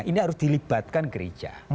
ini harus dilibatkan gereja